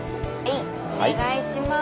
お願いします。